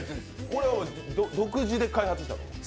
これは独自で開発したの？